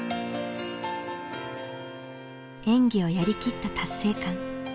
演技をやりきった達成感。